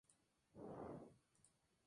Las raíces son tres.